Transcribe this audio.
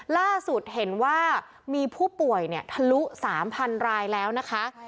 ล่าสุดเห็นว่ามีผู้ป่วยทะลุ๓๐๐รายแล้วนะคะ